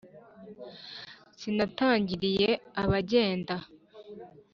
Sinatangiriye abagenda